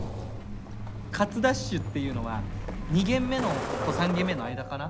カツダッシュっていうのは２限目と３限目の間かな？